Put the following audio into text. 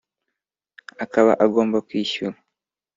akaba agomba kwishyura